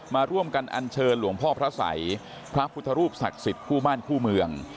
มาร่วมกันอันเชิญหลวงพ่อพระสัยพระพุทธรูปศักดิ์สิทธิ์คู่บ้านคู่เมือง